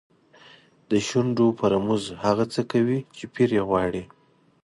د شونډو په رموز هغه څه کوي چې پیر یې غواړي.